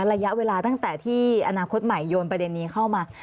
ระยะเวลาตั้งแต่ที่อนาคตใหม่โยนประเด็นนี้เข้ามา